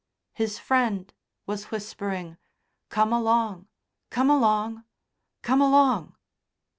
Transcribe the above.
His friend was whispering: "Come along!... Come along!... Come along!"